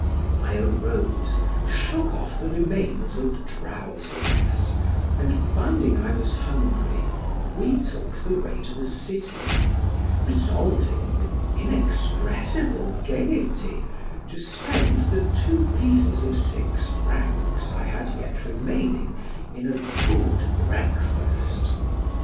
I arose, shook off the remains of drowsiness, and finding I was hungry, retook the way to the city, resolving, with inexpressible gayety, to spend the two pieces of six francs I had yet remaining in a good breakfast.